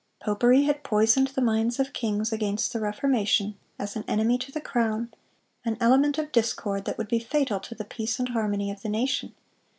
Popery had poisoned the minds of kings against the Reformation, as an enemy to the crown, an element of discord that would be fatal to the peace and harmony of the nation.